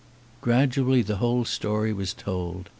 Gradually the whole story was told.